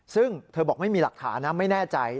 ซึ่งเธอบอกไม่มีหลักฐานนะไม่แน่ใจ